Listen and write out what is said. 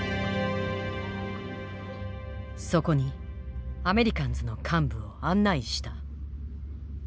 そこにアメリカンズの幹部を案内した。